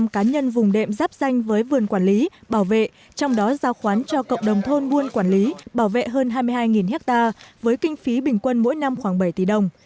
một mươi cá nhân vùng đệm giáp danh với vườn quản lý bảo vệ trong đó giao khoán cho cộng đồng thôn buôn quản lý bảo vệ hơn hai mươi hai ha với kinh phí bình quân mỗi năm khoảng bảy tỷ đồng